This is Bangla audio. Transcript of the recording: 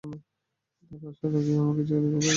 তারা আসার আগেই আমাকে ছেড়ে দিলে, কথা দিচ্ছি কাউকে বলবো না।